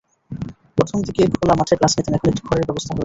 প্রথম দিকে খোলা মাঠে ক্লাস নিতেন এখন একটি ঘরের ব্যবস্থা হয়েছে।